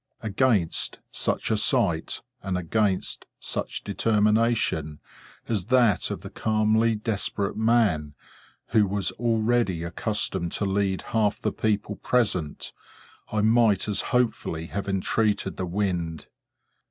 Against such a sight, and against such determination as that of the calmly desperate man who was already accustomed to lead half the people present, I might as hopefully have entreated the wind.